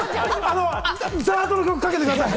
ＺＡＲＤの曲かけてください！